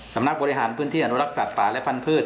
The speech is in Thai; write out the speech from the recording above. สำนักบริหารพื้นที่อนุรักษ์สัตว์ป่าและพันธุ์